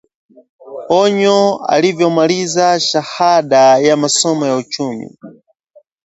Anyoo alivyomaliza shahada ya masomo ya uchumi